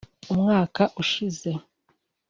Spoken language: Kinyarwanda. umwaka ushize